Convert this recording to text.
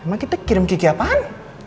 emang kita kirim kiki apaan